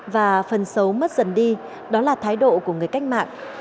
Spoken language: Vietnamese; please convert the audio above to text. và phần xấu mất dần đi đó là thái độ của người cách mạng